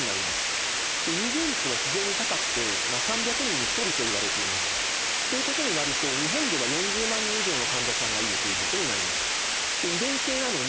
有病率は非常に高くて３００人に１人といわれています。ということになると日本では４０万人以上の患者さんがいるということになります。